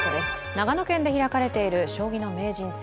長野県で開かれている将棋の名人戦